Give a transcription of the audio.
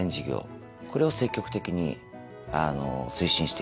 これを積極的に推進していきたいなと。